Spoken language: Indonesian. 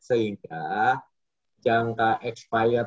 sehingga jangka ekspired itu tidak lama